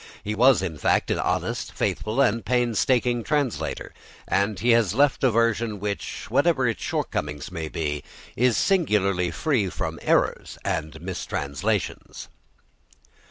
He was, in fact, an honest, faithful, and painstaking translator, and he has left a version which, whatever its shortcomings may be, is singularly free from errors and mistranslations.